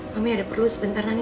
mami ada perlu sebentar nanti